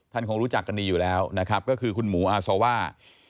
คงรู้จักกันดีอยู่แล้วนะครับก็คือคุณหมูอาซาว่า